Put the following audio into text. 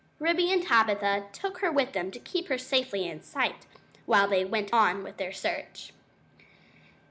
Ribby and Tabitha took her with them to keep her safely in sight, while they went on with their search.